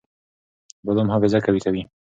بادام حافظه قوي کوي.